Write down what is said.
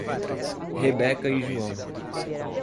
Rebeca e João